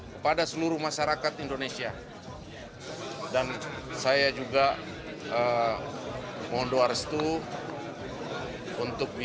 kepala kepulsian negara ri jokowi